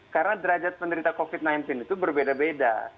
karena derajat penderita covid sembilan belas itu berbeda beda